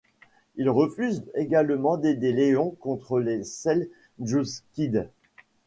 Il refuse également d'aider Léon contre les Seldjoukides.